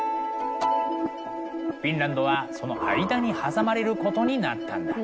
フィンランドはその間に挟まれることになったんだ。